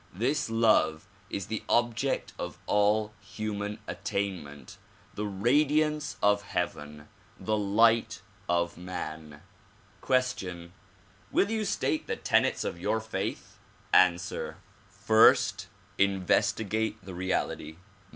This love is the object of all human attainment, the radiance of heaven, the light of man. Question : Will you state the tenets of your faith ? Answer: First; investigate the reality.